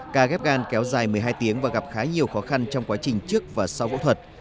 ca ghép gan kéo dài một mươi hai tiếng và gặp khá nhiều khó khăn trong quá trình trước và sau phẫu thuật